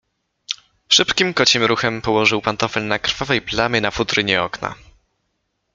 "Szybkim, kocim ruchem położył pantofel na krwawej plamie na futrynie okna."